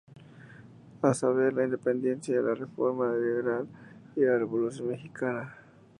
A saber, la Independencia, la Reforma liberal y la Revolución mexicana.